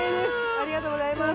ありがとうございます